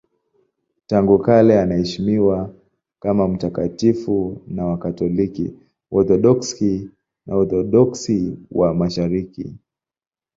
Tangu kale anaheshimiwa kama mtakatifu na Wakatoliki, Waorthodoksi na Waorthodoksi wa Mashariki.